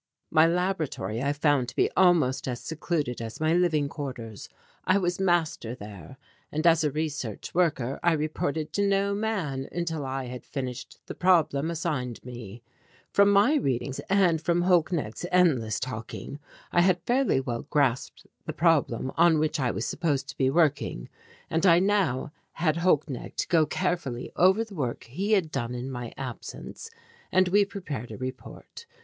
My laboratory I found to be almost as secluded as my living quarters. I was master there, and as a research worker I reported to no man until I had finished the problem assigned me. From my readings and from Holknecht's endless talking I had fairly well grasped the problem on which I was supposed to be working, and I now had Holknecht go carefully over the work he had done in my absence and we prepared a report.